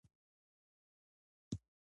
هغه له مخکینۍ برخې څخه مخ اړوي